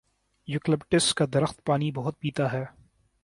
Eucalyptus کا درخت پانی بہت پیتا ہے۔